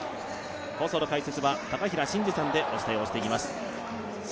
放送の解説は、高平慎士さんでお伝えをしていきます。